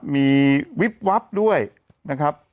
มีวิบวับด้วยนะครับ